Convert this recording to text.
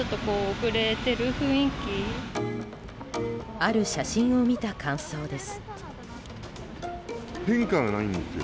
ある写真を見た感想です。